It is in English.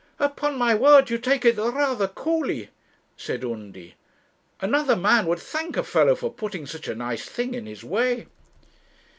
'Upon my word you take it rather coolly,' said Undy; 'another man would thank a fellow for putting such a nice thing in his way.'